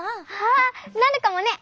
ああなるかもね。